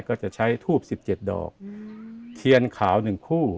ก็จะใช้ทูบ๑๗ดอกเทียนขาว๑คู่